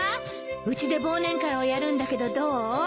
うちで忘年会をやるんだけどどう？